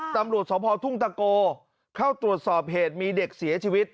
ตำรวจสภทุ่งตะโกเข้าตรวจสอบเหตุมีเด็กเสียชีวิต